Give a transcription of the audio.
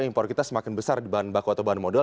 impor kita semakin besar di bahan baku atau bahan modal